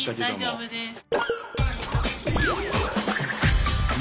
大丈夫です。